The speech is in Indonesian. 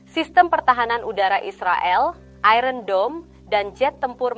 sistem pertahanan udara israel iron dome dan jet tempur manis